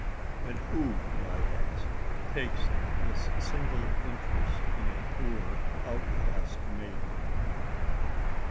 "And who, may I ask, takes this single interest in a poor outcast maiden?"